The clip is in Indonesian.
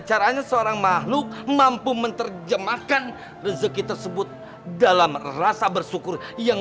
caranya seorang makhluk mampu menerjemahkan rezeki tersebut dalam rasa bersyukur yang